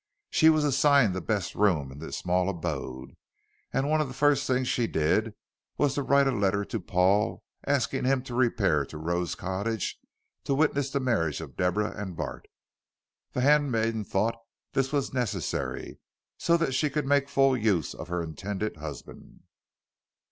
She was assigned the best room in the small abode, and one of the first things she did was to write a letter to Paul asking him to repair to Rose Cottage to witness the marriage of Deborah and Bart. The handmaiden thought this was necessary, so that she could make full use of her intended husband.